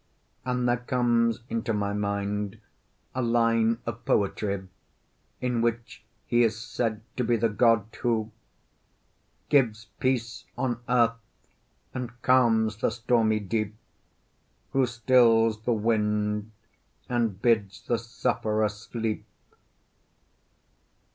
And there comes into my mind a line of poetry in which he is said to be the god who 'Gives peace on earth and calms the stormy deep, Who stills the winds and bids the sufferer sleep.'